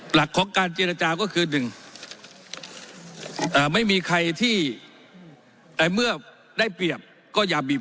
หลักของการเจรจาก็คือหนึ่งไม่มีใครที่แต่เมื่อได้เปรียบก็อย่าบีบ